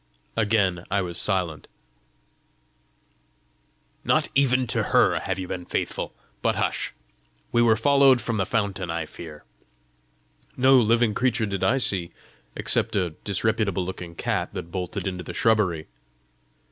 Again I was silent. "Not even to her have you been faithful! But hush! we were followed from the fountain, I fear!" "No living creature did I see! except a disreputable looking cat that bolted into the shrubbery."